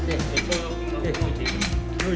はい。